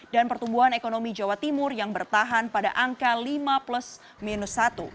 dan pertumbuhan ekonomi jawa timur yang bertahan pada angka lima plus minus satu